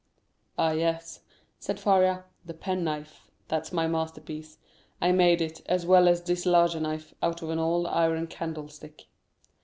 "Ah, yes," said Faria; "the penknife. That's my masterpiece. I made it, as well as this larger knife, out of an old iron candlestick."